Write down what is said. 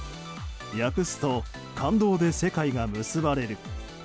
訳すと、感動で世界は結ばれる。